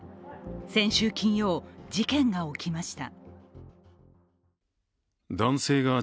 先週金曜、事件が起きました。